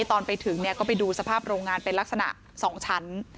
ตอนไปถึงก็ไปดูสภาพโรงงานเป็นลักษณะ๒ชั้น